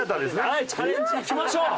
はいチャレンジいきましょう！